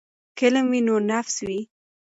که علم وي نو نفس وي.